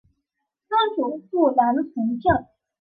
曾祖父兰从政。